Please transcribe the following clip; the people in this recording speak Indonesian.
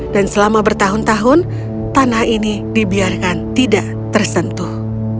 dan selama bertahun tahun tanah ini dibiarkan tidak tersentuh